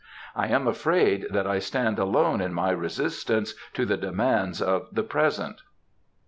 I am afraid that I stand alone in my resistance to the demands of the present.